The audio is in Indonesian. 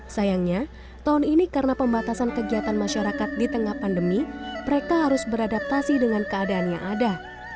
sayangnya tahun ini karena pembatasan kegiatan masyarakat di tengah pandemi mereka harus beradaptasi dengan keadaan yang ada